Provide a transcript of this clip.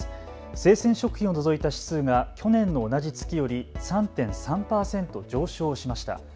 生鮮食品を除いた指数が去年の同じ月より３．３％上昇しました。